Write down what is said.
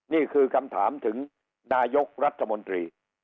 นี่คือคำถามถึงนายกรัฐมนตรี